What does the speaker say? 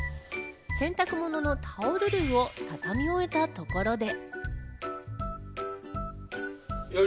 洗濯物のタオル類をたたみ終えたところで。